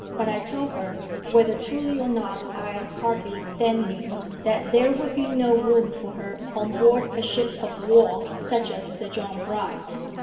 But I told her, whether truly or not I hardly then knew, that there would be no room for her on board a ship of war such as the John Bright.